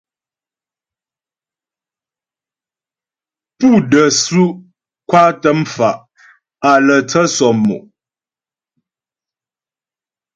Pú də́ su' kwatə mfa' á lə́ tsə sɔmmò.